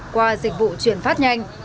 qua dịch vụ chuyển phát nhanh